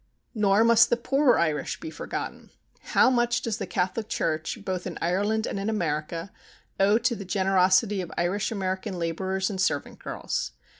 Nor must the poorer Irish be forgotten. How much does the Catholic Church, both in Ireland and in America, owe to the generosity of Irish American laborers and servant girls!